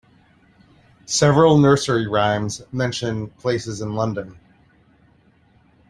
Several nursery rhymes mention places in London.